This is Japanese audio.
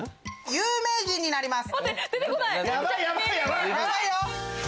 有名人になります。